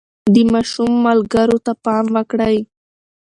د ماشوم ملګرو ته پام وکړئ.